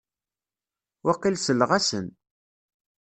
Waqil selleɣ-asen.